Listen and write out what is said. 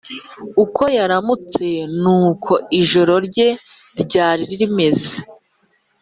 uko yaramutse n’uko ijoro rye ryari rimeze,